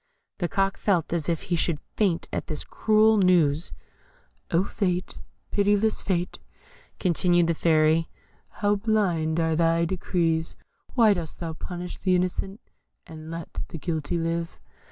The Cock felt as if he should faint at this cruel news. "Oh, Fate! pitiless Fate!" continued the Fairy, "how blind are thy decrees! Why dost thou punish the innocent, and let the guilty live?"